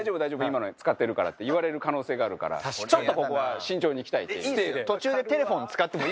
今の使ってるからって言われる可能性があるからちょっとここは慎重にいきたいっていう。